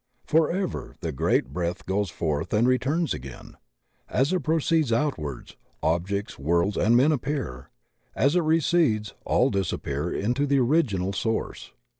Forever the Great Breath goes forth and returns again. As it proceeds outwards, objects, worlds and men appear; as it recedes all disap pear into the original source.